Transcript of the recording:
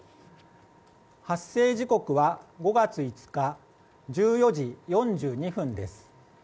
発生時刻は５月５日１４時４２分です。